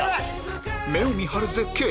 目を見張る絶景！